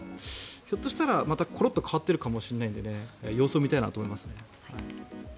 ひょっとしたら、またころっと変わってるかもしれないので様子を見たいなと思います。